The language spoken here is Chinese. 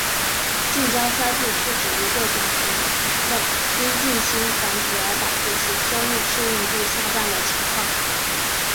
近交衰退是指一个种群内因近亲繁殖而导致其生物适应度下降的情况。